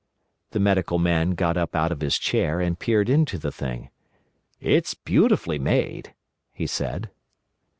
The Medical Man got up out of his chair and peered into the thing. "It's beautifully made," he said.